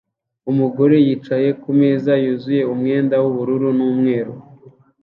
Umugore yicaye kumeza yuzuye umwenda wubururu n'umweru